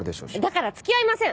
だから付き合いません！